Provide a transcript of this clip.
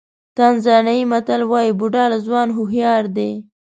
تانزانیايي متل وایي بوډا له ځوان هوښیار دی.